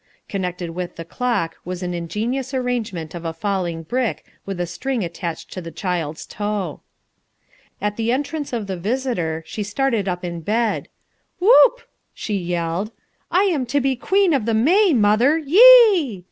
Connected with the clock was an ingenious arrangement of a falling brick with a string attached to the child's toe. At the entrance of the visitor she started up in bed. "Whoop," she yelled, "I am to be Queen of the May, mother, ye e!"